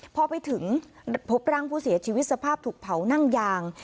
พอไปถึงพบร่างผู้เสียชีวิตสภาพถูกเผานั่งยาง